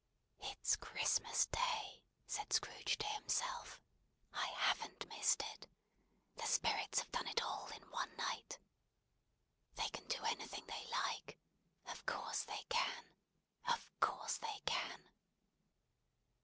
"It's Christmas Day!" said Scrooge to himself. "I haven't missed it. The Spirits have done it all in one night. They can do anything they like. Of course they can. Of course they can.